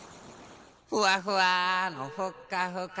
ふわふわのふっかふか。